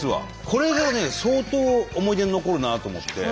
これがね相当思い出に残るなと思って。